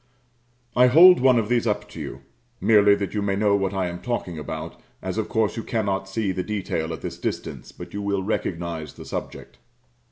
I hold one of these up to you, (merely that you may know what I am talking about, as of course you cannot see the detail at this distance, but you will recognise the subject.)